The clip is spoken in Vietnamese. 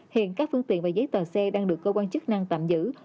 hiện các phương tiện và giấy tờ xe đang được cơ quan chức năng tạm giữ